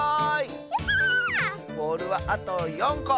ボールはあと４こ！